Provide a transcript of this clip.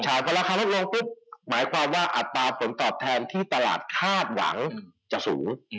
ใช่พอราคาลดลงปุ๊บหมายความว่าอัตราผลตอบแทนที่ตลาดคาดหวังจะสูง